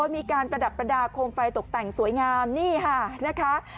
มีการประดับประดาษโครงไฟตกแต่งสวยงามนี่ค่ะ